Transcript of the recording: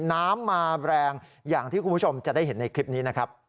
น้ำมาแรงอย่างที่คุณผู้ชมจะได้เห็นในคลิปนี้นะครับ